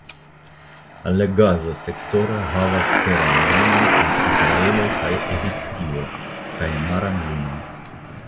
La Gaza Sektoro havas teran limon kun Israelo kaj Egiptio kaj maran limon.